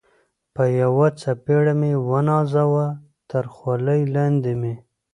په یوه څپېړه مې و نازاوه، تر خولۍ لاندې مې.